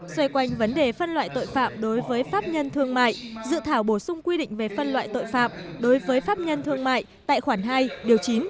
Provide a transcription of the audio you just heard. xoay quanh vấn đề phân loại tội phạm đối với pháp nhân thương mại dự thảo bổ sung quy định về phân loại tội phạm đối với pháp nhân thương mại tại khoản hai điều chín